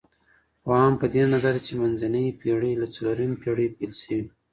پوهان په دې نظر دي چي منځنۍ پېړۍ له څلورمې پېړۍ پيل سوې.